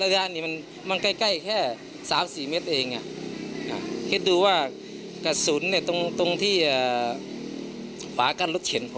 จนใดเจ้าของร้านเบียร์ยิงใส่หลายนัดเลยค่ะ